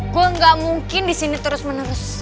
gue gak mungkin disini terus menerus